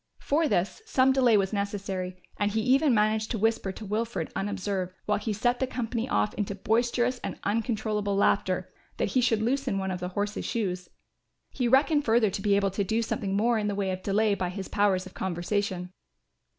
For this some delay was necessary, and he even managed to whisper to Wilfred unobserved, while he set the company off into boisterous and uncontrollable laughter, that he should loosen one of the horse's shoes. He reckoned further to be able to do something more in the way of delay by his powers of conversation.